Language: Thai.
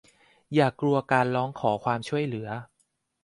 อย่ากลัวการร้องขอความช่วยเหลือ